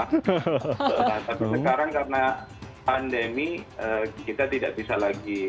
nah tapi sekarang karena pandemi kita tidak bisa lagi